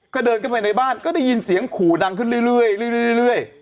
ก็เดินเข้าไปในบ้านก็ได้ยินเสียงขู่ดังขึ้นเรื่อย